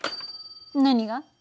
何が？